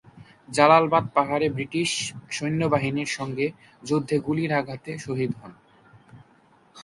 জালালাবাদ পাহাড়ে ব্রিটিশ সৈন্যবাহিনীর সংগে যুদ্ধে গুলির আঘাতে শহীদ হন।